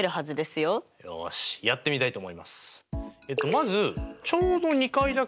よしやってみたいと思います！